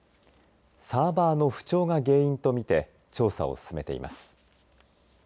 サーバーの不調が原因と見て調査を進めています。